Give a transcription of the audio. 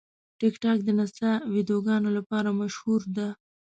ټیکټاک د نڅا ویډیوګانو لپاره مشهوره ده.